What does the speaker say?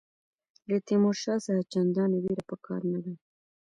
له تیمورشاه څخه چنداني وېره په کار نه ده.